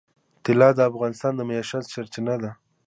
طلا د افغانانو د معیشت سرچینه ده.